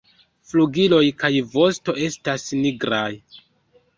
Flugiloj kaj vosto estas nigraj.